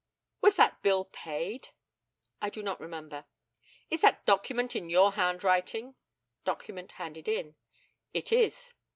Was that bill paid? I do not remember. Is that document in your handwriting? [document handed in] It is.